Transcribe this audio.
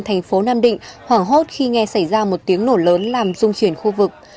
thành phố nam định hoảng hốt khi nghe xảy ra một tiếng nổ lớn làm dung chuyển khu vực